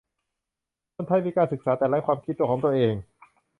คนไทยมีการศึกษาแต่ไร้ความคิดของตัวเอง